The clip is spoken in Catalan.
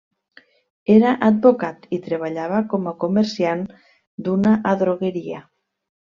Era advocat i treballava com a comerciant d'una adrogueria.